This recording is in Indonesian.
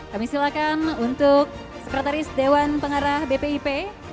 kami silakan untuk sekretaris dewan pengarah bpip